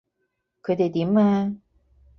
佢哋點啊？